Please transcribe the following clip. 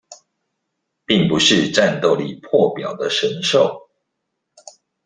並不是戰鬥力破表的神獸